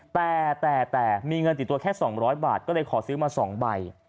แต่แต่มีเงินติดตัวแค่๒๐๐บาทก็เลยขอซื้อมา๒ใบ